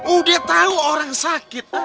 udah tau orang sakit